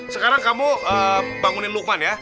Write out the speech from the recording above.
sekarang kamu bangunin lukman ya